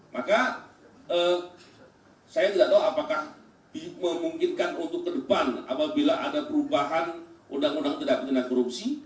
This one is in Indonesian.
maka saya tidak tahu apakah memungkinkan untuk ke depan apabila ada perubahan undang undang tidak benar korupsi